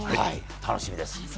楽しみです。